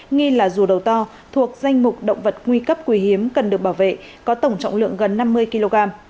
nghi là rùa đầu to thuộc danh mục động vật nguy cấp quý hiếm cần được bảo vệ có tổng trọng lượng gần năm mươi kg